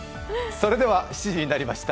それでは７時になりました。